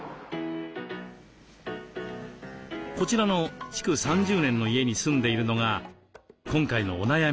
こちらの築３０年の家に住んでいるのが今回のお悩み